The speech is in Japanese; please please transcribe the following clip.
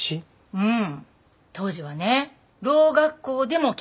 うん。